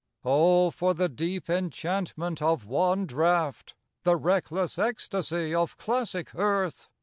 Oh, for the deep enchantment of one draught! The reckless ecstasy of classic earth!